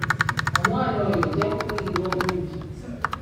Omwana oyo ojja kumuyiira obuugi.